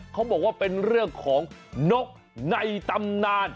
เขาบอกว่าเป็นเรื่องของนกในตำนาน